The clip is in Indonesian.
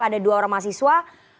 ada dua orang mahasiswa